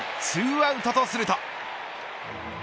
２アウトとすると。